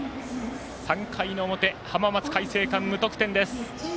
３回の表浜松開誠館、無得点です。